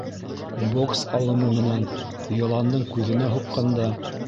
Бокс алымы менән йыландың күҙенә һуҡҡанда...